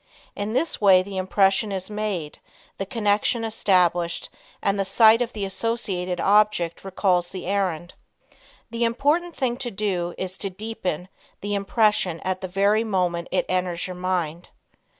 In this way the impression is made, the connection established and the sight of the associated object recalls the errand. The important thing to do is to deepen the impression at the very moment it enters your mind.